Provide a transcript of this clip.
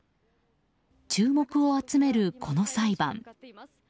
注目を集めるこの裁判。